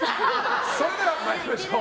それでは参りましょう。